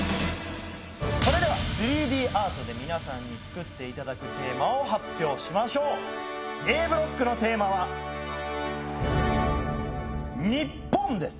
それでは３Ｄアートで皆さんに作っていただくテーマを発表しましょうＡブロックのテーマは「日本」です